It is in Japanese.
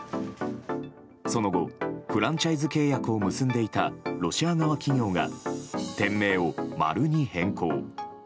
その後、フランチャイズ契約を結んでいたロシア側企業が店名をマルに変更。